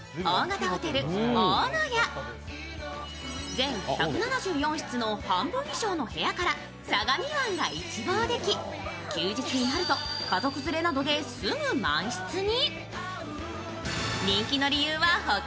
全１７４室の半分以上の部屋から相模湾が一望でき、休日になると家族連れなどですぐ満室に。